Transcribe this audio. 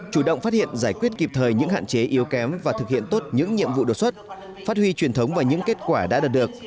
chủ động phát hiện giải quyết kịp thời những hạn chế yếu kém và thực hiện tốt những nhiệm vụ đột xuất phát huy truyền thống và những kết quả đã đạt được